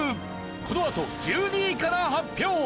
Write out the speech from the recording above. このあと１２位から発表！